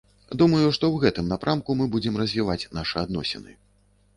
Думаю, што ў гэтым напрамку мы будзем развіваць нашы адносіны.